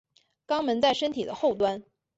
肛门在身体的后端。